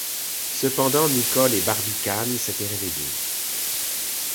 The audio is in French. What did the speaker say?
Cependant Nicholl et Barbicane s’étaient réveillés.